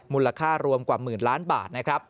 มูลค่ารวมกว่าหมื่นล้านบาทนะครับ